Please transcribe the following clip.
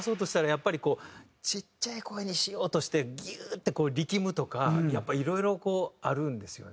やっぱりこうちっちゃい声にしようとしてギューって力むとかやっぱいろいろあるんですよね。